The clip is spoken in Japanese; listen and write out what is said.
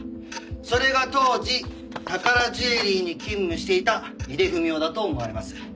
それが当時宝ジュエリーに勤務していた井出文雄だと思われます。